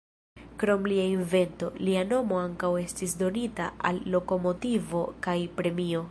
Krom lia invento, lia nomo ankaŭ estis donita al lokomotivo kaj premio.